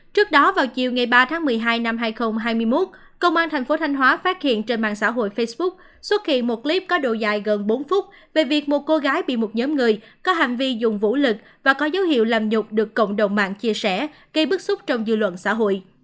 trước đó vào chiều ngày ba tháng một mươi hai năm hai nghìn hai mươi một công an thành phố thanh hóa phát hiện trên mạng xã hội facebook xuất hiện một clip có độ dài gần bốn phút về việc một cô gái bị một nhóm người có hành vi dùng vũ lực và có dấu hiệu làm nhục được cộng đồng mạng chia sẻ gây bức xúc trong dư luận xã hội